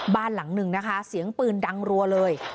บ้านหลังหนึ่งนะคะเสียงปืนดังรัวเลย